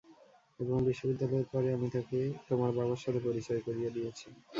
এবং বিশ্ববিদ্যালয়ের পরে, আমি তাকে তোমার বাবার সাথে পরিচয় করিয়ে দিয়েছি।